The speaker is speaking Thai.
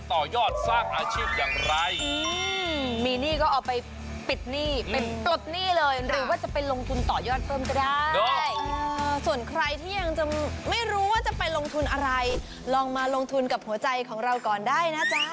ต่อยอดสร้างอาชีพอย่างไร